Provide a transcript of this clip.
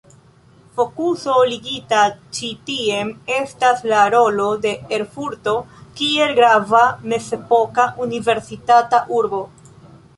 Fokuso ligita ĉi tien estas la rolo de Erfurto kiel grava mezepoka universitata urbo.